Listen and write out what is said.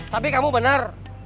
tapi kamu benar